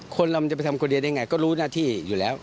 คนเรามันจะไปทำคนเดียวได้ไงก็รู้หน้าที่อยู่แล้ว